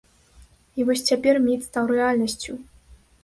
І вось цяпер міф стаў рэальнасцю.